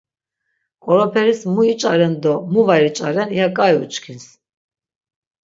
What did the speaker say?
Qoroperis mu iç̆aren do mu var iç̆aren iya k̆ai uçkins.